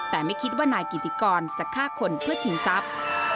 แต่ไม่คิดว่านายกิติกรจะฆ่าคนเพื่อชิงทรัพย์